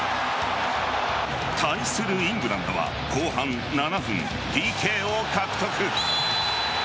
対するイングランドは後半７分、ＰＫを獲得。